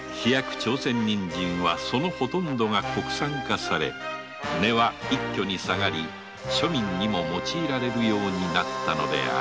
朝鮮人参はそのほとんどが国産化され値は一挙に下がり庶民にも用いられるようになったのである